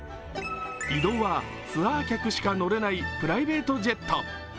移動はツアー客しか乗れないプライベートジェット。